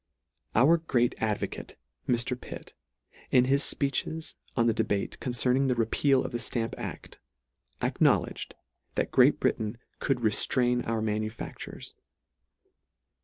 Our great advocate, Mr. Pitt, in his fpeeches on the debate concerning the repeal of the Stamp aff, acknowledged, that Great Britain could reftrain our manufactures.